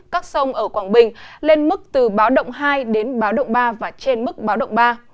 các sông ở quảng bình lên mức từ báo động hai đến báo động ba và trên mức báo động ba